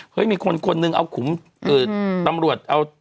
เฮ้ยมีคนคนหนึ่งเอาขุมเอ่อตำรวจเอา